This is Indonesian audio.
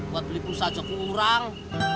buat beli pulsa cukup kurang